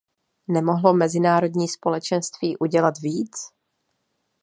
Nemohlo mezinárodní společenství udělat víc?